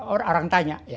or orang tanya